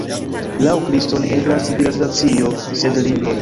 Laŭ Kristo, ne eblas civilizacio sen libroj.